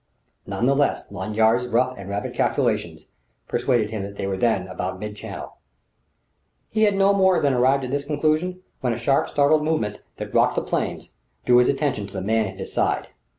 None the less Lanyard's rough and rapid calculations persuaded him that they were then about Mid Channel. He had no more than arrived at this conclusion when a sharp, startled movement, that rocked the planes, drew his attention to the man at his side.